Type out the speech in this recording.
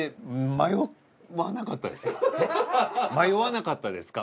まよわなかったですか？